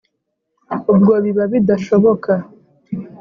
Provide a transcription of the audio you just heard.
ubwo biba bidashoboka.